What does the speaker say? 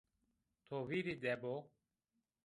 To vîrî de bo